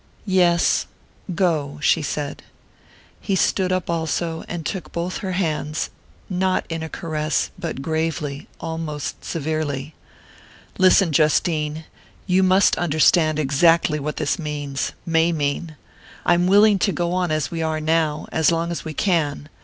"Yes go," she said. He stood up also, and took both her hands, not in a caress, but gravely, almost severely. "Listen, Justine. You must understand exactly what this means may mean. I am willing to go on as we are now...as long as we can...